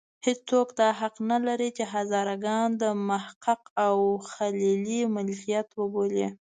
هېڅوک دا حق نه لري چې هزاره ګان د محقق او خلیلي ملکیت وبولي.